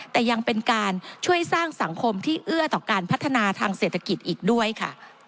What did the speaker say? แต่ยังเป็นการช่วยสร้างสังคมที่เอื้อต่อการพัฒนาทางเศรษฐกิจอีกด้วยค่ะ